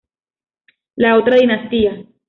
La otra dinastía.